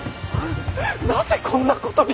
なぜこんなことに。